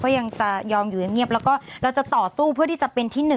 ก็ยังมีประโยชน์เราะท้อนเนี้ยน่ะ